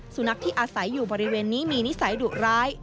สุนัขที่อาศัยอยู่บริเวณนี้มีนิสัยดุร้าย